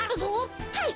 はい！